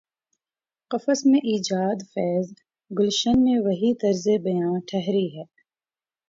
قفس میں ایجادفیض، گلشن میں وہی طرز بیاں ٹھہری ہے۔